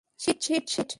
Sheet, shit, sheet!